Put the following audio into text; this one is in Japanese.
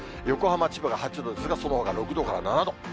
横浜、千葉が８度ですがそのほか６度から７度。